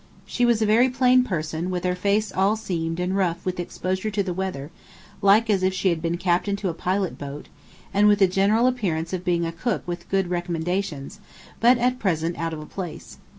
She was a very plain person, with her face all seamed and rough with exposure to the weather, like as if she had been captain to a pilot boat, and with a general appearance of being a cook with good recommendations, but at present out of a place.